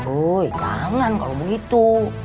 ui kangen kalau begitu